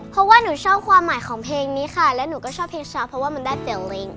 เพราะว่าหนูชอบความหมายของเพลงนี้ค่ะและหนูก็ชอบเพลงช้าเพราะว่ามันได้เสียงเพลง